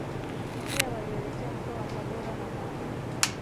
Pia walielekea mkoa wa Tabora na Mwanza